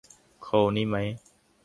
โคลนี้ไหม